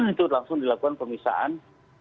itu langsung dilakukan pemisahan